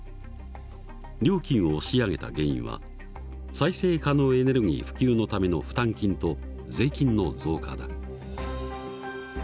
料金を押し上げた原因は再生可能エネルギー普及のための負担金と税金の増加だ。